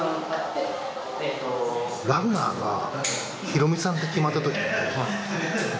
ランナーがヒロミさんって決